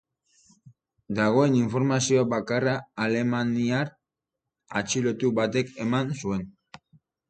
Dagoen informazio bakarra alemaniar atxilotu batek eman zuen.